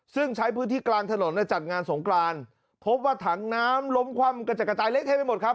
ซึ่งใช้พื้นที่กลางถนนจัดงานสงกรานพบว่าถังน้ำล้มคว่ำกระจัดกระจายเละเทะไปหมดครับ